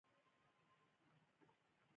دا د ژباړې او چاپ لپاره یو ناسنجولی کار دی.